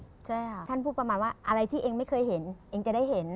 ใช่ค่ะท่านพูดประมาณว่าอะไรที่เองไม่เคยเห็นเองจะได้เห็น